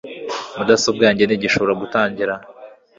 Mudasobwa yanjye ntigishobora gutangira